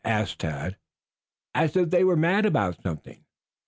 asked Tad. "As if they were mad about something."